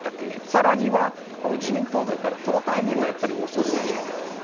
更には、自民党内からこのタイミングは遅すぎると。